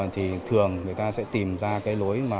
thì thường người ta sẽ tìm ra cái lối